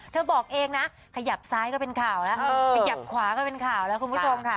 บอกเองนะขยับซ้ายก็เป็นข่าวแล้วขยับขวาก็เป็นข่าวแล้วคุณผู้ชมค่ะ